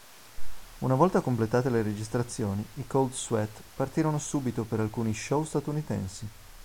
Una volta completate le registrazioni, i Cold Sweat partirono subito per alcuni show statunitensi.